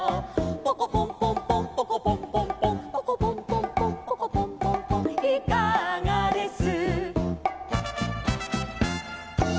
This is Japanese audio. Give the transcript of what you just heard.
「ポコポンポンポンポコポンポンポン」「ポコポンポンポンポコポンポンポン」「いかがです」